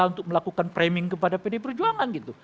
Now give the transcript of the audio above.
untuk melakukan priming kepada pdi perjuangan